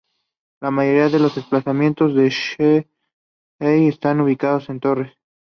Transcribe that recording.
La mayoría de los emplazamientos de Shere están ubicados en torres.